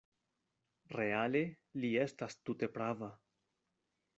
Reale li estas tute prava.